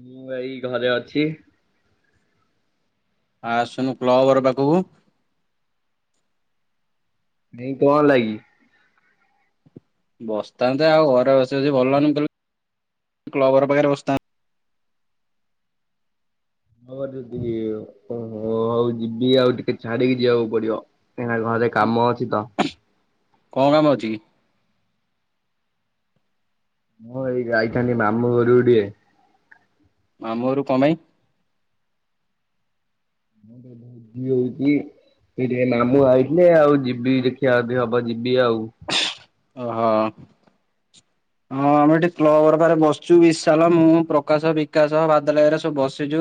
ମୁଁ ଏଇ ଘରେ ଅଛି। ଆ ଆସୁନୁ କ୍ଲବ ଘର ପାଖକୁ ନାଇ କଣ ହେଲାକି? ବସିଥାନ୍ତେ ଆଉ ଘରେ ବସ ଯିଏ କ୍ଲବ ଘର ପାଖରେ ବସିଥାନ୍ତେ। ହ ଯଦି ଓହୋ ହଉ ଯିବି ଆଉ ଟିକେ ଛାଡିକି ଯିବାକୁ ପଡିବ କାହିଁକିନା ଘରେ କାମ ଅଛି ତ? କଣ କାମ ଅଛି କି? ମୁଁ ଏଇ ଯାଇଥାନ୍ତିି ମାମୁଁ ଘରୁକୁ ଟିକେ ମାମୁଁ ଘରକୁ କଁ ପାଈଁ? ଇଏ ହୋଉଚି ଏଇଠି ଏଇ ମାମୁଁ ଆଇଥିଲେ ଆଉ ଯିବି ଦେଖିବା ଯଦି ହବ ଯିବି ଆଉ ଅ ହ। ହଁ ଆମେ ଏଠି କ୍ଲବ ଘର ପାଖରେ ବସିଛୁ ବିଶାଲ ମୁଁ ପ୍ରକାଶ ବିକାଶ ବାଦଲ ହେରିକ ଘାରିକା ସବୁ ବସିଛୁ।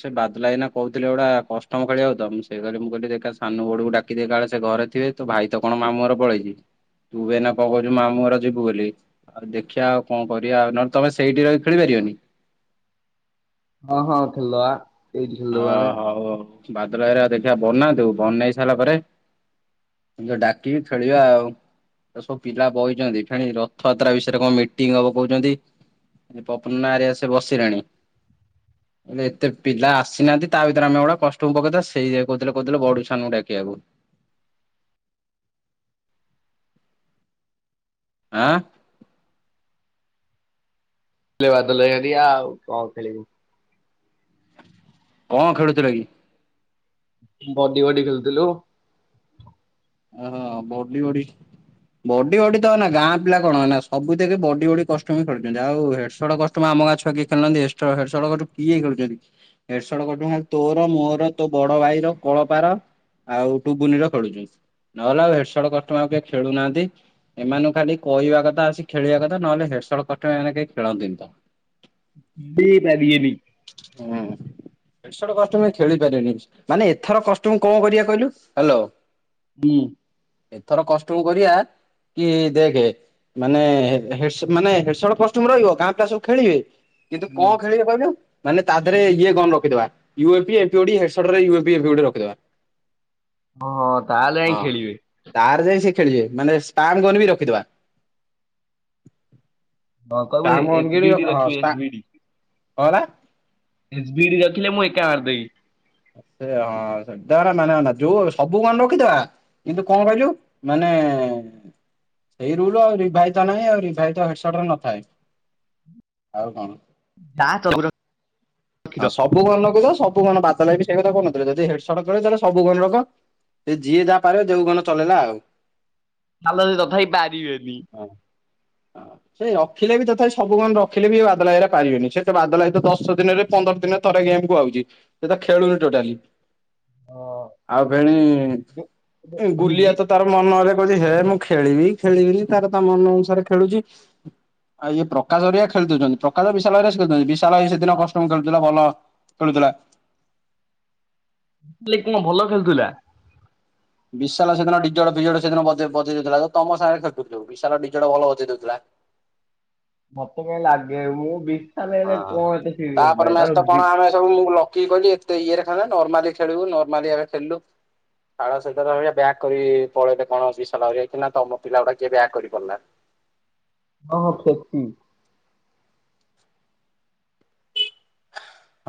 ସେ ବାଦଲ୍ ଭାଇ ଏଇନା କହୁଥିଲେ ଗୋଟା କଷ୍ଟମ ଖେଳିଆକୁ ତ ମୁ ସେଇ କଥା ମୁଁ କହିଲି ଏକା ସାନ ବଡ କୁ ଡାକିଦିଏ କାଳେ ସେ ଘରେଥିବେ। ତୋ ଭାଇ ତ କଣ ମାମୁଁ ଘର ପଳେଇଛି ତୁ ବି ଏଇନା କଅଁ କହୁଛୁ ମାମୁଁ ଘର ଯିବୁ ବୋଲି। ଆଉ ଦେଖିବା ଆଉ କଅଁ କରିଆ ଆଉ ନହେଲେ ତମେ ସେଇଠି ରହିକି ଖେଳିପାରିବନି। ହଁ ହଁ ଖେଲଦବା। ଓ ହଉ ହଉ ବାଦଲ ଭାଇ ଘରିକା ଦେଖିବା ବନାନ୍ତୁ ବନେଇ ସାଇଲା ପରେ ମୁଁ ତାକୁ ଡାକିକି ଖେଳିଆ ଆଉ ଏ ସବୁ ପିଲା ବଇଚନ୍ତି ଫେଣି ରଥଯାତ୍ରା ବିଷୟରେ କଣ ମିଟିଂ ହବ କଉଚନ୍ତି? ମୁଁ କଇନି ପପୁ ନନା ଘରିକା ସେ ବସିଲେଣି ମୁଁ କଇଲି ଏତେ ପିଲା ଆସ୍ ସିନାନାଆନ୍ତି ତା ଭିତରେ ଆମେ ଗୋଟେ କଷ୍ଟ୍ୟୁମ ପକେଇ ଦବା ସେଇଆ କଉଥିଲେ କୋଉଥିଲେ ବଡୁକୁ ସାନୁକୁ ଡାକିଆକୁ। ଆଁ। ଆସିଲେ ବାଦଲ ଭାଇ ଘରିକା ଆଉ କଁ ଖେଳିବୁ? କଅଁ ଖେଳୁଥିଲ କି? ବଡି ବଡି ଖେଳୁଥୁଲୁ। ହଁ ବଡି ବଡି ବଡି ବଡି ତ ନା ଗାଁ ପିଲା କଣ ନା ସବୁଥିରେ ବଡି ବଡି କଷ୍ଟ୍ୟୁମ ଖେୁଳୁଚନ୍ତି ଆଉ ହେଡସଡ କଷ୍ଟ ତୁମେ ଆମ ଗାଁ ଛୁଆ କିଏ ଖେଳୁନାନ୍ତି ଏଷ୍ଟଡ ହେଡ଼ସଟଟୁ କିଏ ଖେଳୁଚନ୍ତି? ହେଡଶଟକ ଟଙ୍କା ରେ ତୋର ମୋର ତୋ ବଡ ଭାଈର କଳପାର ଆଉ ଟୁବୁନିର ଖେଳୁଚନ୍ତି ନହେଲେ ହେଡ଼ସଟକ କଷ୍ଟମ ଆଉ କେହି ଖେଳୁନାଆନ୍ତି। ଏମାନଙ୍କୁ ଖାଲି କହିବା କଥା ଆସିକି ଖେଳିବା କଥା ନହେଲେ ହେଡସଟ୍ କଷ୍ଟମ ଏମାନେ କେହି ଖେଳନ୍ତିନି ତ ଦିଟା ଡିଏଭି ହୁଁ। ହେଡସର୍ଟ କଷ୍ଟ୍ୟୁମ ଏ ଖେଳିପାରିବେନେଆଇ ମାନେ ଏ ଥର କଷ୍ଟ୍ୟୁମ କଅଁ କରିଆ କହିଲୁ ହାଲୋ। ହୁଁ। ଏଥର କଷ୍ଟ୍ୟୁମ କରିଆ କି ଦେଖେ ମାନେ ହେ ହେଡ୍ ସ ମାନେ ହେଡସର୍ଟ କଷ୍ଟ୍ୟୁମ ରହିବ ଦେଖେ ଗାଁ ପିଲା ସବୁ ଖେଳିବେ କିନ୍ତୁ କଅଁ ହୁଁ। ଖେଳିବେ କଇଲୁ? ମାନେ ତାଧେରେ ଇଏ ଗନ୍ ରଖିଦେବା ୟୁଏମ୍ପି ଏମ୍ପିଓଡି ହେଡସର୍ଟ ରେ ୟୁଏମ୍ପି ଏଫିଓଡି ଗୋଟେ ରଖିଦବା। ହଁ ହଁ ତାହେଲେ ଯାଇଁକି ଖେଳିବେ। ତାଡେ ଯାଇଁକି ସେ ଖେଳିବେ ମାନେ ସ୍ଥାର୍ ଗନ୍ ବି ରଖିଦେବା। ହଁ କଇବୁ ସ୍ପାମ ଗନ୍ ଏସ୍ ବି ବିିଡି ହଁ ରଖିବେ ସ୍ପା ଏସ୍ ବିିଡି। ହଁ ବା ଏସ୍ ବିଡି ରଖିଲେ ମୁଁ ଏକା ମାରଦେବି। ସେ ହଁ ସେଟା ର ନାନେ ନ ଥାଏ ଯୋଉ ସବୁ ଗନ୍ ରଖିଦବା। କିନ୍ତୁ କଁ କଇଲୁ ମାନେ ସେଇ ରୁଲୁ ଆଉ ରିଭାଇଜଟା ନାହିଁ ଆଉ ରିଭାଇଜଟା ହେଡସଟ୍ ରେ ନଥାଏ ଆଉ କଣ? [inaudible] ରଖିଦ ହଁ ସବୁ ଗନ୍ ନଗୋଉଚ ସବୁ ଗନ୍ ବାଦଲ ଭାଈ ବି ସେଇକଥା କୋଉନଥିଲେ ଯଦି ହେଡସର୍ଟ ଖେଳିବ ତାହେଲେ ସବୁ ଗନ୍ ରଖ। ସେ ଯିଏ ଯାଆ ପାରିବ ଯୋଉ ଗନ ଚଲେଇଲା ଆଉ ହାଲୋ ଏ ତଥାବି ପାରିବେନି। ହଁ। ସେ ରଖିଲେ ବି ତଥାପି ସବୁ ଗନ୍ ରଖିଲେ ବି ବାଦଲ ଆଈ ଘରୀକା ପାରିବେନେଇଁ ସେତ ବାଦଲ ଆଈ ତ ଦଶ ଦୀନ ରେ ପନ୍ଦର ଦିନେ ଥରେ ଗେମ୍ କୁ ଆଉଚି ସେତ ଖେଳୁନି ଟୋଟାଲି। ହଁ ଆଉ ଫେଣି ଏ ଭିଜି ଗୁଲିଆ ତ ତାର ମନ ହେଲେ କହୁଛି ହେ ମୁଁ ଖେଳିବି ଖେଳିବିନି ତାର ତା ମନ ଅନୁସାରେ ଖେଳୁଛି। ଆଉ ଇଏ ପ୍ରକାଶ ଘରିକା ଖେଳୁଦୋଉଚନ୍ତି ପ୍ରକାଶ ଆଈ ବିଶାଲ୍ ଆଈ ଘରିକା ଖେଳୁଚନ୍ତି ବିଶାଲ୍ ଆଈ ସେଦୀନ କଅଁ। [unintelligible] ହେଲେ କଣ ଭଲ ଖେଳୁଥିଲା? ବିଶାଲ ସେଦିନ ଡିଜଡଜଡ ସେଦିନ ବଜେ ବଜେଇ ଦଉଥିଲା ତମ ସାଙ୍ଗେ ଖେଳୁଥିଲା ବିଶାଲ ଡିଜଡ ଭଲ ବଜେଇ ଦଉଥିଲା। ମତେ କାଇଁ ଲାଗେ ମୁଁ ବିଶାଲ ହେଲେ କଣ ଏତେ ସିରିଅସ ଭାଇ ତାର ବି ଯଉ ମୁଁ ଲକି କଇଲି ଏତେ ଇଏ ରେ ଖେଳେ ନା ନର୍ମାଲି ଖେଳିବୁ ନର୍ମାଲିଆରେ ଖେଳିଲୁ। ତାଳ ସହିତ ବ୍ୟାଗ କରି ପଳେଇଲେ କଣ ବିସଲା କି ନା ତମ ପିଲା ଗୁଡା କିଏ ବ୍ୟାଗ କରି ପଲା। ହଁ ହଁ କ୍ଷତି।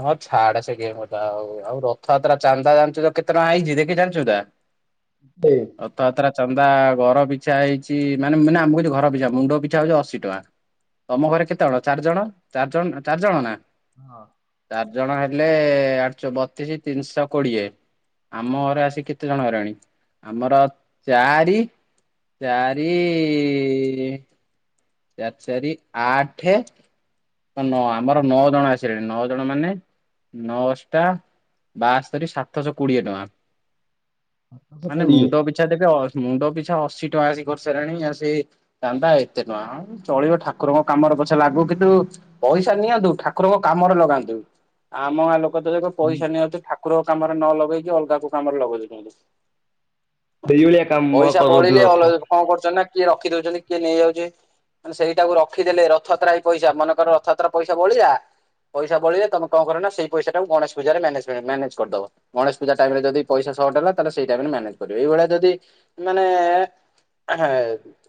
ହଁ ଛାଡ ସେ ଗେମ୍ କଥା ଆଉ ଆଉ ରଥଯାତ୍ରା ଚାନ୍ଦା ଜାଣିଛୁ ତ କେତେ ଟଙ୍କା ହେଇଛି ଦେଖି ଜାଣିଛୁନା? ଦେ ରଥଯାତ୍ରା ଚାନ୍ଦା ଘର ପିଛା ହେଇଛି ମାନେ ମାନେ ଆମ କହୁଛି ଘର ପିଛା ମୁଣ୍ଡ ପିଛା ହଉଛି ଅଶୀ ଟଙ୍କା। ତମ ଘରେ କେତେଜଣ ଚାରି ଜଣ ଚାରି ଜଣ ଚାରିଜଣ ନା। ହଁ। ଚାରି ଜଣ ହେଲେ ଆଠ ଚଉ ବତିଶି ତିନିଶହ କୋଡିଏ। ଆମ ଘରେ ଆସି କେତେ ଜଣ ହେଲେଣି ଆମର ଚାରି ଚାରି ଚାରି ଚାରି ଆଠ ନଅ ଆମର ନଅ ଜଣ ଆସିଲେଣି ନଅ ଜଣ ମାନେ ନଅ ଅଷ୍ଟା ବାସ୍ତରୀ ସାତଶହ କୋଡ଼ିଏ ଟଙ୍କା। ଦଶ ମାନେ କୋଡିଏ ମୁଣ୍ଡ ବି ଛା ଦେବେ ମୁଣ୍ଡ ପିଛା ଅଶି ଟଙ୍କା ଆସି କରିସାରିଲାଣି ଆ ସେ ଚାନ୍ଦା ଏତେ ଟଙ୍କା କଣ? ଚଳିବ ଠାକୁରଙ୍କ କାମରେ ପଛେ ଲାଗୁ କିନ୍ତୁ ପଇସା ନିଅନ୍ତୁ ଠାକୁରଙ୍କ କାମରେ ଲଗାନ୍ତୁ ଆମ ଗାଁ ଲୋକ ତ ଦେଖ ପଇସା ନିଅନ୍ତୁ ଠାକୁ କୁରଙ୍କ କାମରେ ନ ଲଗେଇକି ଅଲଗା କଉ କାମରେ ଲଗେଇ ଦଉଛନ୍ତି। ସେଇ ଭଳିଆ କାମ ପଇସା କରନ୍ତୁ ବଳିଲେ ଅଲ ରଥ। କଣ କରୁଛନ୍ତି ନା କିଏ ରଖି ଦଉଛନ୍ତି କିଏ ନେଇଯାଉଛି ମାନେ ସେଇଟାକୁ ରଖିଦେଲେ ରଥ ଯାତ୍ରା ହି ପଇସା ମନେକର ରଥଯାତ୍ରା ପଇସା ବଳିିଲା ପଇସା ବଳିଲେ ତମେ କଣ କରିବ ନା ସେଇ ପଇସାଟାକୁ ଗଣେଶ ପୂଜାରେ ମ୍ୟାନେଜ ମ୍ୟାନେଜ କରିଦବ। ଗଣେଶ ପୂଜା ଟାଇମ ରେ ଯଦି ପଇସା ସଅଟ ହେଲା ତାଲେ ସେଇ ଟାଇମ ରେ ମ୍ୟାନେଜ କରିବ ଏଇଭଳିଆ ଯଦି ମାନେ ଏହେଁ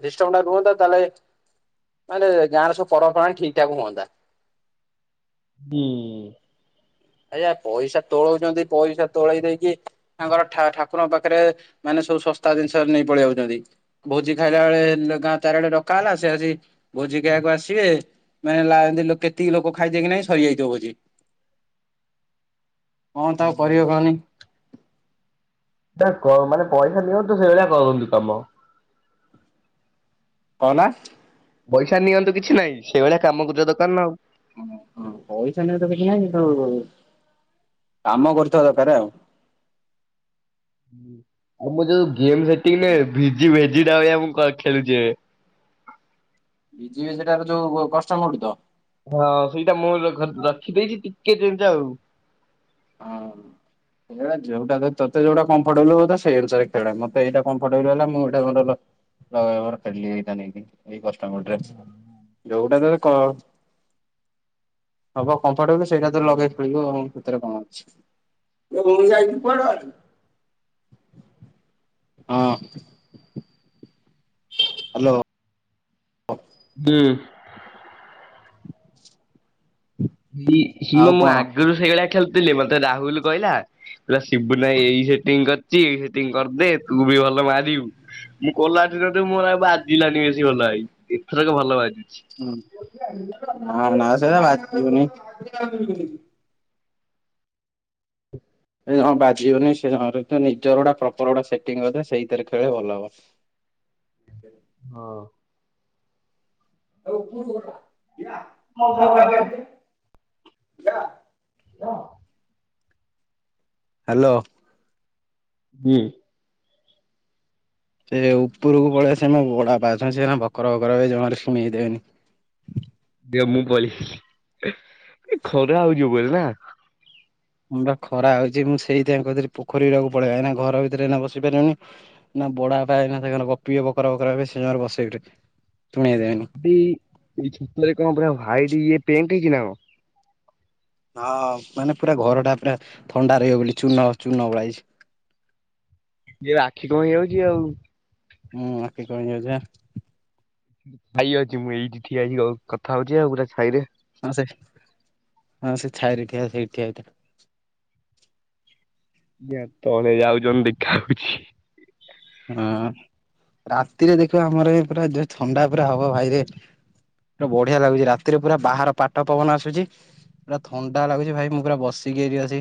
ସିଷ୍ଟମଟା ରୁହନ୍ତା ତାଲେ ତାଲେ ଗାଁରେ ସବୁ ପର୍ବ ପର୍ବାଣୀ ଠିକଠାକ ହୁଅନ୍ତା। ହୁଁ। ଆଜ୍ଞା ପଇସା ତୋଳଉଛନ୍ତି ପଇସା ତୋଳେଇ ଦେଇକି ତାଙ୍କର ଠା ଠାକୁରଙ୍କ ପାଖରେ ମାନେ ସବୁ ଶସ୍ତା ଜିନିଷ ନେଇ ପଳେଇ ଆଉଛନ୍ତି। ଭୋଜି ଖାଇଲା ବେଳେ ଗାଁ ଚାରିଆଡେ ଡକା ହେଲା ସେ ଆସି ଭୋଜି ଖାଇବାକୁ ଆସିବେ ମେନେଲା କେତିକି ଲୋକ ଖାଇଥିବେ କି ନାଇଁ ସରିଯାଇଥିବ ଭୋଜି। କଣ ତାକୁ କରିବ କହନି? ତା କ ମାନେ ପଇସା ନିଅନ୍ତୁ ସେଇ ଭଳିଆ କରନ୍ତୁ କାମ। କହ ନା। ପଇସା ନିଅନ୍ତୁ କିଛି ନାହିଁ ସେଇଭଳିଆ କାମ କରିବା ଦରକାର ନା ଆଉ। ଓ ହ ପଇସା ନିଅ ତ କିଛି ନାହିଁ କିନ୍ତୁ କାମ କରୁଥିବା ଦରକାର ଆଉ। ଆଉ ମୁଁ ଯୋଉ ଗେମ୍ ସେଥିଲି ଯେ ଭିଜି ଭେଜିଟା ଭଳିଆ ମୁଁ କରିଥିଲି ଯେ। ବି ଯିବ ସେଟ ଯୋଉ କଷ୍ଟ ମଡୁ ତ। ହଁ ସେଇଟା ମୁଁ ହଁ। ରଖିଦେଇଛି ଟିକେ ଯେମିତି ଆଉ। ହଁ। ଖେଳ ଯୋଉଟା ତତେ ଯୋଉଟା କମ୍ଫର୍ଟେବଲ ହେଲା ସେଇ ଅନୁସାରେ ଖେଳେ ମତେ ଏଇଟା କମ୍ଫର୍ଟେବଲ ହେଲା ମୁଁ ଏଇଟା ଲବର [unintelligible] ଦି ଟା ନେଇଜୀମି ଏଇ କଷ୍ଟମର ଟେ ଅଛି ଯଉଟା ତତେ କହ ହବ କମ୍ଫର୍ଟବଲ ସେଇଟା ତୁ ଲଗେଇ ଖେଳିବୁ ଆଉ ସେଥିରେ କଣ ଅଛି। ଯାଇକି ପଡ [unintelligible] ହଁ ହ୍ୟାଲୋ ହଉ [unintelligible] [inaudible] ହି ସିଏ ଆଉ କଣ? ମୋଆଗରୁ ସେଇଗଳିଆ ଖେଳୁଥିଲି ମତେ ରାହୁଲ କହିଲା। ହେଲା ଶିବୁ ନାଇଁ ଏଇ ସେଟିଂ କରିଛି ଏଇ ସେଟିଂ କରିଦେ ତୁ ବି ଭଲ ମାରିବୁ। ମୁଁ କଲାଠେ ତତେ ମୋର ଆ ବାଜିଲାନି ବେଶୀ ଭଲ ଭଇ ଏଥରକ ଭଲ ବାଜିଛି। ହଁ ହଁ ମା ସେଇଟା ବାବୁନି [unintelligible] ଏ ଜଣ ବାଜିବନି ସେ ନିଜର ଗୋଟ ପ୍ରପର ଗୋଟେ ସେଟିଂ କରିବ ସେଇଥିରେ ଖେଳ ଭଲ ହବ। ହଁ ହଉ [unintelligible] ହଁ ହ୍ୟାଲୋ କିଏ ସେ ଉପରକୁ ପଳେଇବା ସେମାନେ ବଡ ବାପା ଅଛନ୍ତି ସେନା ଭକର ଭକର ହେବେ ଜମାରୁ ଶୁଣେଇ ଦେବେନି। ଦେ ମୁଁ [unintelligible] ଏ ଖରା ହଉଯିବ ବୋଲି ନା। ମୁଁ ବା ଖରା ହଉଛି ମୁଁ ସେଇଥିପାଇ କହୁଥିଲି ପୋଖରୀ ହୁଡାକୁ ପଳେଇ କାଇଁକି ଘର ଭିତରେ ଏଇନା ବସି ପାରିବନି ନା ବଡା ପା ଏଇନା ତାଙ୍କର ଗପିବେ ବକର ବକର ହେବେ ସେ ସମୟରେ ବସେଇକ ଉଠେ ଶୁଣେଇ ଦେବେନି। ଏଇ ଛତରେ କଣ ପୁରା ୱିଟେ ଇଏ ପେଣ୍ଟ ହେଇଛି ନା କ ହଁ ମାନେ ପୁରା ଘରଟା ପୁରା ଥଣ୍ଡା ରହିବ ବୋଲି ଚୂନ ଚୂନ ବୋଳାହେଇଛି। ଇ ଆଖି କଣ ହେଇଯାଉଛି ଆଉ। ହୁଁ ଆଖି କଣ ହେଇଯାଉଛ ପା ଭାଇ ଅଛି ମୁଁ ଏଇଠି ଠିଆ ଆଇ କଥା ହଉଛି ଆଉ ପୁରା ଛାଇରେ। ହଁ ସେ ହଁ ସେ ଛାଇରେ ଠିଆ ସେଇଠି ଠିଆ ହେଇଥିଲା। ଆଜ୍ଞା ତଳେ ଆଉ ଜଣେ ହେ ଦେଖା ହାଉଛି। ହଁ ରାତିରେ ଦେଖିବା ଆମର ଏ ପୁରା ଯୋଉ ଥଣ୍ଡା ପୁରା ହବ ଭାଇରେ। ପୁରା ବଢିଆ ଲାଗୁଛି ରାତିରେ ପୁରା ବାହାର ପାଟ ପବନ ଆସୁଛି। ପୁରା ଥଣ୍ଡା ଲାଗୁଛି ଭାଇ ମୁଁ ପୁରା ବସିକି ଏଠି ଅଛି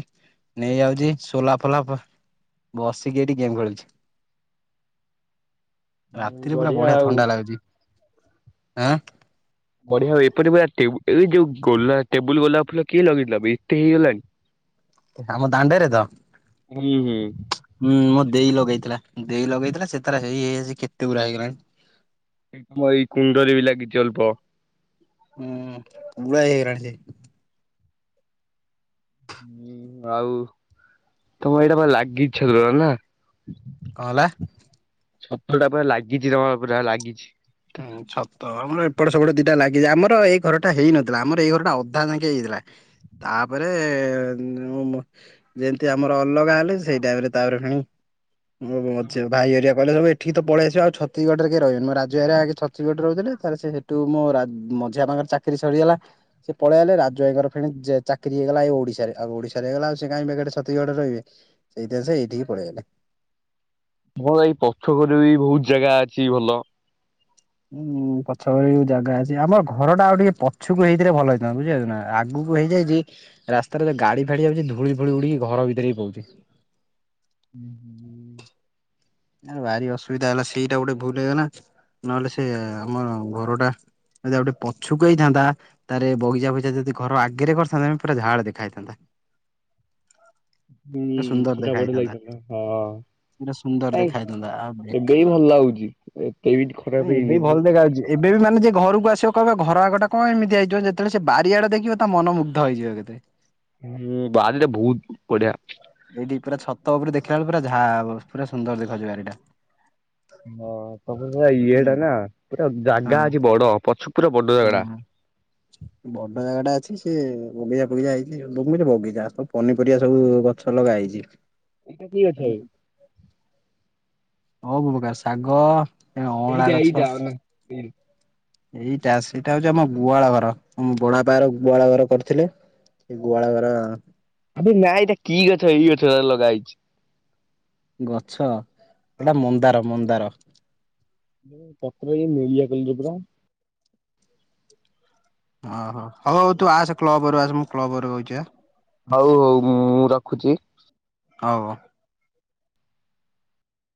ନେଇଆଉଛି ସୋଲା ଫୋଲା। ବସିକି ଏଠି ଗେମ୍ ଖେଳୁଛି। ହୁଁ ରାତିରେ ପୁରା ବଢିଆ ଆଉ। ଥଣ୍ଡା ଲାଗୁଛି ଆଁ। ବଢିଆ ଏପରି ପୁରା ଏଇ ଯୋଉ ଗୋଲା ଟେବୁଲ ଗୋଲାପ ଫୁଲ କିଏ ଲଗେଇଗଲା ଏତେ ହେଇଗଲାଣି? ଆମ ଦାଣ୍ଡରେ ତ? ହୁଁ ହୁଁ। ହୁଁ ମୋ ଦେଇ ଲଗେଇଥିଲା। ଦେଇ ଲଗେଇଥିଲା ସେ ତାର ହେଇ ହେଇ କେତେ ପୁରା ହେଇଗଲାଣି। ହଁ ଏଇ କୁଣ୍ଡରେ ବିି ଲାଗିଛି ଅଳ୍ପ। ହୁଁ ପୁଳାଏ ହେଇରାଣି ସେ। ହୁଁ ଆଉ ତମର ଏଇଟା ପୁରା ଲାଗି ଇଛ ନା। କଣ ହେଲା? ସଫଳ ଟା ପା ଲାଗିଛି ତମର ପୁରା ଲାଗିଛି। ସତ ଆମର ଏପଟେ ସେପଟେ ଦିଟା ଲାଗିଛି ଆମର ଏଇ ଘର ଟା ହେଇନଥିଲା ଆମର ଏଇ ଘର ଟା ଅଧା ଯାଙ୍କେ ହେଇଥିଲା। ତାପରେ [unintelligible] ଯେମିତି ଆମର ଅଲଗା ହେଲେ ସେଇ ଟାଇମ ରେ ତାପରେ ଭା ହୋ ମଝିଆ ଭାଇ ହରିକା କହିଲେ ସବୁ ଏଠିକି ତ ପଳେଇଆସିବ ଆ ଛତିଶଗଡ ରେ କିଏ ରହିବନ ଛତିଶଗଡରେ ରହୁଥିଲେ ତାର ସେଇଠୁ ମୋ ରା ମଝିଆ ପାଙ୍କରେ ଚାକିରି ସରିଗଲା। ସେ ପଳେଇ ଆଇଲେ ରାଜୁ ଭାଇଙ୍କର ପୁଣି ଚାକିରି ହେଇଗଲା ଏଇ ଓଡ଼ିଶା ରେ ଆଉ ଓଡ଼ିଶା ରେ ହେଇଗଲା ସେ କାହିଁ ବେକାର ରେ ଛତିଶଗଡ଼ ରେ ରହିବେ। ସେଇଥିପାଇଁ ସେ ଏଇଠିକି ପଳେଇ ଆଇଲେ। ହଁ ଭାଇ ପଛ ଘରେ ବି ବହୁତ୍ ଜାଗା ଅଛି ଭଲ। ଉଁ ପଛ କରେ ବି ଜାଗା ଅଛି ଆମର ଘର ଟା ଆଉ ଟିକେ ପଛକୁ ହେଇଥିଲେ ଭଲ ହେଇଥାନ୍ତା ବୁଝିଲେ ନା। ଆଗକୁ ହେଇଯାଇଛି ରାସ୍ତାରେ ଗାଡ଼ି ଫାଡ଼ି ଯାଉଛି ଧୂଳି ଫୁଳି ଉଡି଼କି ଘର ଭିତରେ ହିଁ ପଉଛି। ହୁଁ ହୁଁ ହୁଁ ଆ ଭାରି ଅସୁବିଧା ହେଲା ସେଇଟା ଗୋଟେ ଭୁଲ୍ ହେଇଗଲା ନହେଲେ ସେ ଆମର ଘରଟା ଯଦି ଆଉ ଟିକେ ପଛକୁ ହେଇଥାନ୍ତା ତାପରେ ବଗିଚା ଫଗିଚା ଯଦି ଘର ଆଗରେ କରିଥାନ୍ତେ ପୁରା [unintelligible] ଦେଖା ହେଇଥାନ୍ତା। ହୁଁ ପୁରା ସୁନ୍ଦର ସେଟା ଦେଖା ବଢ଼ିଆ ହେଇଥାନ୍ତା ଲାଗିଥାନ୍ତା ପୁରା ସୁନ୍ଦର ହଁ। ଦେଖା ହେଇଥାନ୍ତା ଆଉ ଏବେ ବି ଭଲ ଲାଗୁଛି ଏତେ ବି ଖରାପ ନାଁଇ ଏବେ ହେଇନି। ବି ଭଲ ଦେଖାଯାଉଛି। ଏବେ ବି ମାନେ ଯିଏ ଘରକୁ ଆସିବ କହିବ ଘର ଆଗଟା କଣ ଏମିତି [unintelligible] ଯେତେବେଳେ ସିଏ ବାରିଆଡେ଼ ଦେଖିବ ତା ମନ ମୁଗ୍ଧ ହେଇଯିବ କେତେ। ହୁଁ ବାରିଟା ବହୁତ୍ ବଢ଼ିଆ। ଏଇଠି ପୁରା ଛତ ଉପରେ ଦେଖିଲା ପୁରା ଯାହା ପୁରା ସୁନ୍ଦର ଦେଖାଯିବ ବାରିଟା। ହଁ ତମ ପୁରା ଇଏଟା ନା ପୁରା ଜାଗା ହଁ ଅଛି ବଡ଼ ପଛ ପୁରା ବଡ଼ ଜାଗା ଟା। ବଡ଼ ଜାଗା ଟା ଅଛି ସେ ବଗିଚା ବଗିଚା ହେଇଛି [unintelligible] ବଗିଚା ପନିପରିବା ସବୁ ଗଛ ଲଗା ହେଇଛି। ଏଇଟା କି ଗଛ ବେ ସବୁ ପ୍ରକାର ଶାଗ, ଏଇଟା ଅଁଳା ଏଇଟା ଗଛ। ଅନା ଏଇଟା ଏଇଟା ସେଇଟା ହଉଛି ଆମ ଗୁହାଳ ଘର ମୋ ବଡ଼ବାପା ଘର ଗୁହାଳ ଘର କରିଥିଲେ। ଗୁହାଳ ଘର ଏ ନାଇଁ ନାଇଁ କି ଗଛ ଏଇ ଗଛ ଲଗା ହେଇଛି। ଗଛ ହଁ ଏଟା ମନ୍ଦାର ମନ୍ଦାର। ପତ୍ର [unintelligible] ପତ୍ର। ଓ ହୋ ହଉ ହଉ ତୁ ଆସେ କ୍ଲବ ଘରୁ ଆସ ମୁଁ କ୍ଲବ ଘରେ ବଇଚି ଆଁ। ହଉ ହଉ ମୁଁ ରଖୁଛି। ହଉ।